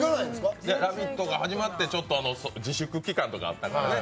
「ラヴィット！」が始まって自粛期間とかあったからね。